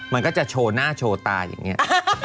มันก็จะโชว์หน้าโชว์ตาอย่างนี้